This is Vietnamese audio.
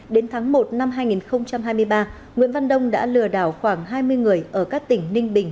đến tháng một năm hai nghìn hai mươi ba nguyễn văn đông đã lừa đảo khoảng hai mươi người ở các tỉnh ninh bình